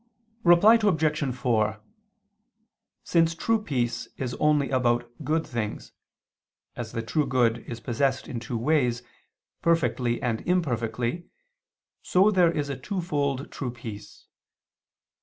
Reply Obj. 4: Since true peace is only about good things, as the true good is possessed in two ways, perfectly and imperfectly, so there is a twofold true peace.